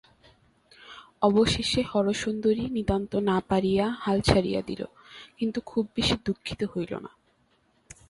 অবশেষে হরসুন্দরী নিতান্ত না পারিয়া হাল ছাড়িয়া দিল, কিন্তু খুব বেশি দুঃখিত হইল না।